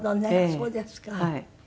そうですか。